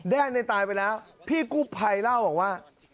ในตายไปแล้วพี่กู้ภัยเล่าบอกว่า